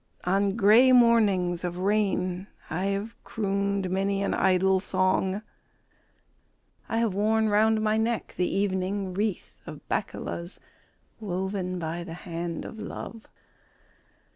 On grey mornings of rain I have crooned many an idle song. I have worn round my neck the evening wreath of bakulas woven by the hand of love.